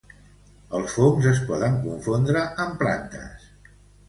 Els fongs es poden confondre amb plantes.